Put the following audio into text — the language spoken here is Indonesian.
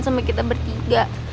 sama kita bertiga